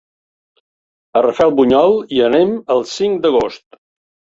A Rafelbunyol hi anem el cinc d'agost.